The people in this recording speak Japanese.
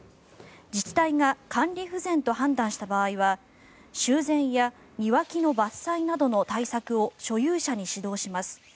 自治体が管理不全と判断した場合は修繕や庭木の伐採などの対策を所有者に指導します。